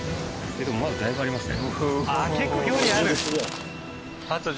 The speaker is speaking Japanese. でもまだだいぶありますね。